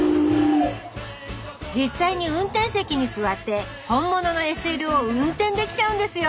実際に運転席に座って本物のＳＬを運転できちゃうんですよ！